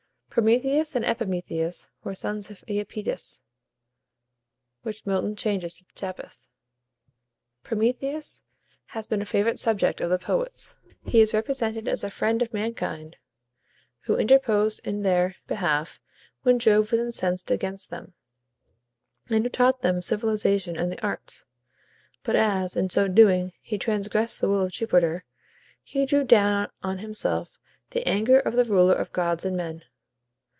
Prometheus and Epimetheus were sons of Iapetus, which Milton changes to Japhet. Prometheus has been a favorite subject with the poets. He is represented as the friend of mankind, who interposed in their behalf when Jove was incensed against them, and who taught them civilization and the arts. But as, in so doing, he transgressed the will of Jupiter, he drew down on himself the anger of the ruler of gods and men.